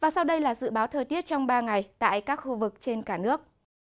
sau đây là dự báo thời tiết trong ba ngày tại các khu vực trên cả nước